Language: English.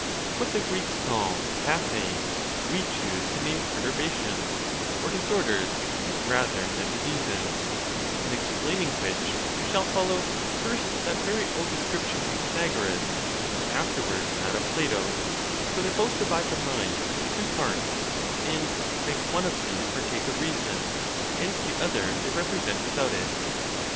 What the Greeks call za) we choose to name perturbations (or disorders) rather than diseases ; in explaining which, I shall follow, first, that very old de scription of Pythagoras, and afterward that of Plato; for they both divide the mind into two parts, and make one of these partake of reason, and the other they represent without it.